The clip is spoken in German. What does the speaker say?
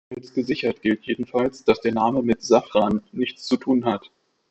Als gesichert gilt jedenfalls, dass der Name mit Safran nichts zu tun hat.